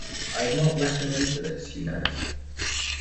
I have not let him into this, you know.